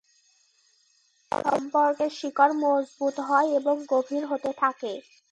সম্পর্কে শিকড় মজবুত হয় এবং গভীর হতে থাকে।